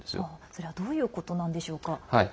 それはどういうことなんでしょうか？